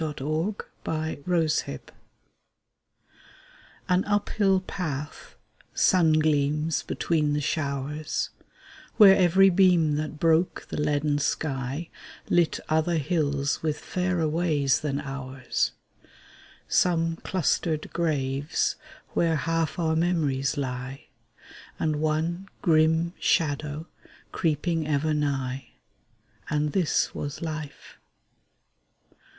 The Pilgrims An uphill path, sun gleams between the showers, Where every beam that broke the leaden sky Lit other hills with fairer ways than ours; Some clustered graves where half our memories lie; And one grim Shadow creeping ever nigh: And this was Life.